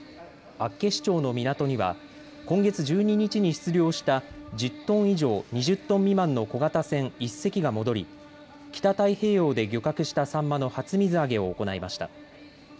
厚岸町の港には今月１２日に出漁した１０トン以上２０トン未満の小型船１隻が戻り、北太平洋で漁獲したサンマの初水揚げを行いました。